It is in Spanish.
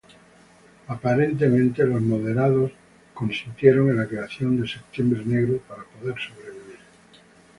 Aparentemente, los moderados consintieron en la creación de Septiembre Negro para poder sobrevivir.